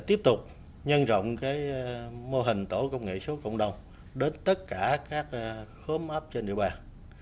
tiếp tục nhân rộng mô hình tổ công nghệ số cộng đồng đến tất cả các khóm áp trên địa bàn